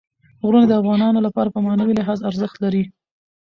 غرونه د افغانانو لپاره په معنوي لحاظ ارزښت لري.